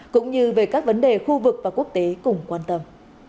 cũng như về các vấn đề khu vực và quốc tế cùng quan tâm